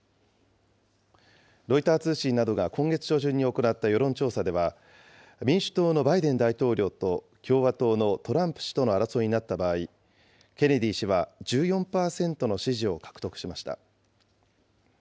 ロイター通信などが今月初旬に行った世論調査では、民主党のバイデン大統領と共和党のトランプ氏との争いになった場合、ケネディ氏は１４％の支持を獲得しました。